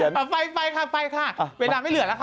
เอามาดูดิใครเขียนนะไปค่ะไปค่ะเวลาไม่เหลือแล้วค่ะ